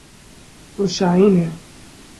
'تو شاہین ہے۔